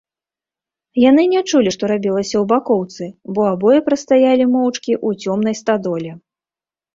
Яны не чулі, што рабілася ў бакоўцы, бо абое прастаялі моўчкі ў цёмнай стадоле.